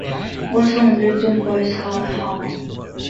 All songs written by Sarah Harmer.